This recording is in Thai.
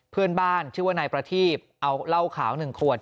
เพื่อนบ้านชื่อว่านายประทีบเอาเหล้าขาว๑ขวด